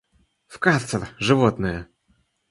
В карцер! Животное!